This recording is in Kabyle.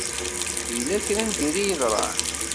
Yella kra n diri i yeḍṛan?